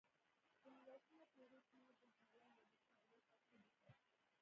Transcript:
په نولسمه پېړۍ کې یې د هالنډ او برېټانیا تقلید وکړ.